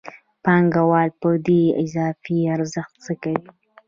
پانګوال په دې اضافي ارزښت څه کوي